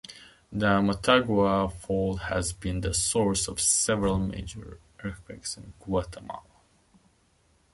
The Motagua fault has been the source of several major earthquakes in Guatemala.